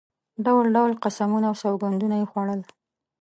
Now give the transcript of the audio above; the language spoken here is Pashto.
ډول ډول قسمونه او سوګندونه یې خوړل.